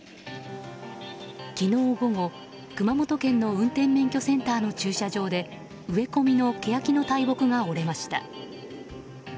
昨日午後、熊本県の運転免許センターの駐車場で植え込みのケヤキの大木が折れました。